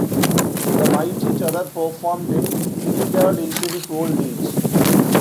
The Mighty Terror performed in Trinidad into his old age.